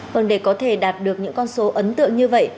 vâng để có thể đạt được những con số ấn tượng như vậy